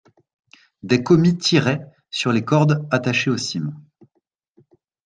Des commis tiraient sur les cordes attachées aux cimes.